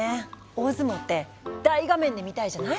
大相撲って大画面で見たいじゃない？